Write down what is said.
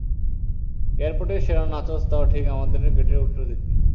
এয়ারপোর্টের সেরা নাচোস তাও ঠিক আমাদের গেটের উলটো দিকে।